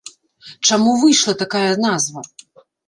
Чаму выйшла такая назва?